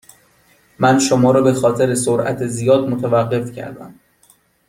من شما را به خاطر سرعت زیاد متوقف کردم.